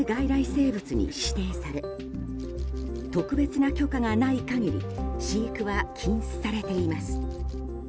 生物に指定され特別な許可がない限り飼育は禁止されています。